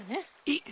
えっ！？